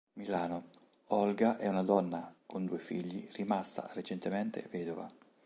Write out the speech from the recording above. Milano: Olga è una donna con due figli rimasta recentemente vedova.